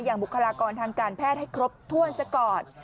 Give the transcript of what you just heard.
อย่างบุคลากรทางการแพทย์ให้ครบทวนสักก่อน